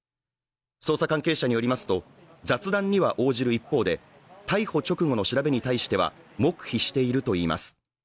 捜査関係者によりますと、雑談には応じる一方で、逮捕直後の調べに対しては黙秘しているといいます。